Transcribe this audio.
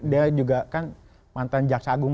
dia juga kan mantan jaksa agung